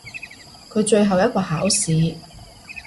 佢最後一個考試！